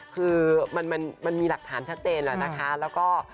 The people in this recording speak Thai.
คือมันมันมีหลักฐานชัดเจนแหละนะคะ